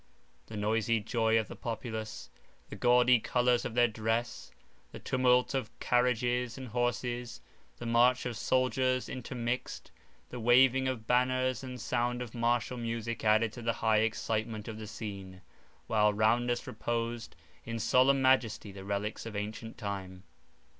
The noisy joy of the populace, the gaudy colours of their dress, the tumult of carriages and horses, the march of soldiers intermixed, the waving of banners and sound of martial music added to the high excitement of the scene; while round us reposed in solemn majesty the relics of antient time.